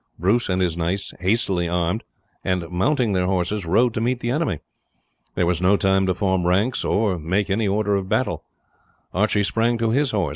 Bruce and his knights hastily armed, and mounting their horses rode to meet the enemy. There was no time to form ranks or to make any order of battle. Archie sprang to his horse.